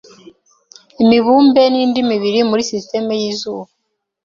imibumbe nindi mibiri muri sisitemu yizuba